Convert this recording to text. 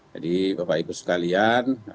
jadi bapak ibu sekalian